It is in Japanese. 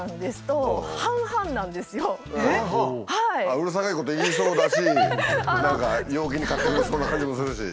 うるさいこと言いそうだし何か陽気に買ってくれそうな感じもするし。